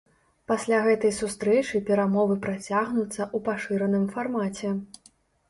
Пасля гэтай сустрэчы перамовы працягнуцца ў пашыраным фармаце.